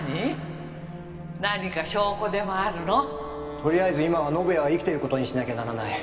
とりあえず今は宣也が生きている事にしなきゃならない。